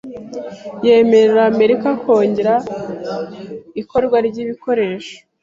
yemerera Amerika kongera ikorwa ry'ibikoresho